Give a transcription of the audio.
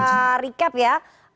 saya mau recap ya